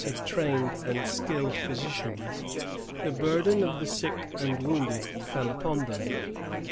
of trained and skilled physicians, the burden of the sick and wounded fell upon them.